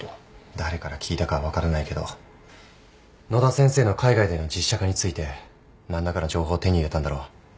誰から聞いたかは分からないけど野田先生の海外での実写化について何らかの情報を手に入れたんだろう。